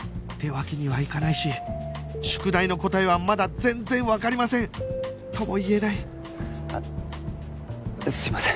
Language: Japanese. ってわけにはいかないし宿題の答えはまだ全然わかりませんとも言えない